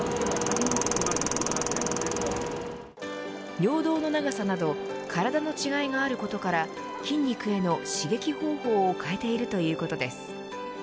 尿道の長さなど体の違いがあることから筋肉への刺激方法を変えているということです。